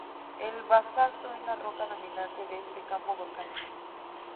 El basalto es la roca dominante de este campo volcánico.